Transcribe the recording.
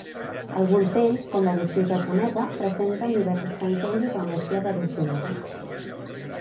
Alguns d'ells, com l'edició japonesa, presenten diverses cançons i remescles addicionals.